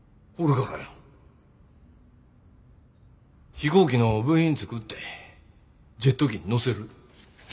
飛行機の部品作ってジェット機に載せる。